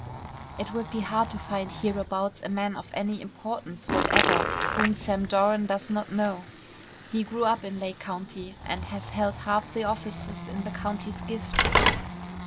"It would be hard to find hereabouts a man of any importance whatever whom Sam Doran does not know. He grew up in Lake County, and has held half the offices in the county's gift."